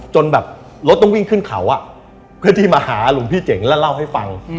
จนแบบรถต้องวิ่งขึ้นเขาเพื่อที่มาหาหลวงพี่เจ๋งแล้วเล่าให้ฟัง